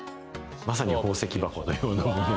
まさに宝石箱のような。